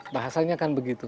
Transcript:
bahasanya kan begitu